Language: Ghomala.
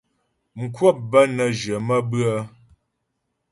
Mkwəp bə́ nə́ jyə̀ maə́bʉə́'ə.